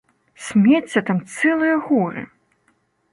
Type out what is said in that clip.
Смецця там цэлыя горы!